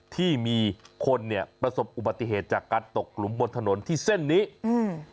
ที่มีคนเนี้ยประสบอุบัติเหตุจากการตกหลุมบนถนนที่เส้นนี้อืม